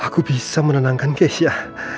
aku bisa menenangkan kesya